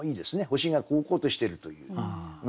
星がこうこうとしてるという。